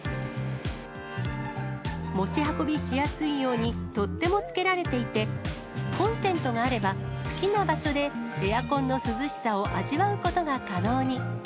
持ち運びしやすいように取っ手も付けられていて、コンセントがあれば、好きな場所でエアコンの涼しさを味わうことが可能に。